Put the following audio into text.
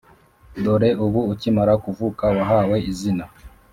dore ubu ukimara kuvuka wahawe izina,